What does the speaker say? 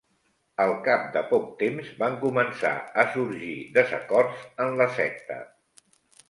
Al cap de poc temps van començar a sorgir desacords en la secta.